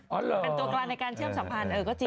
ตัวกลางในการเชื่อมสัมพันธ์เออก็จริง